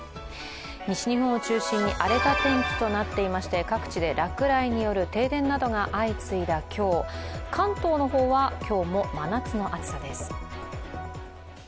西日本を中心に荒れた天気となっていまして、各地で落雷による停電などが相次いだ今日、関東の方は今日は真夏の暑さです。